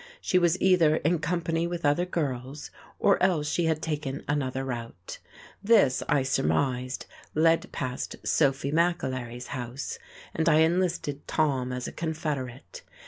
She was either in company with other girls, or else she had taken another route; this I surmised led past Sophy McAlery's house, and I enlisted Tom as a confederate.